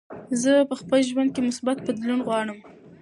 زه په خپل ژوند کې مثبت بدلون غواړم.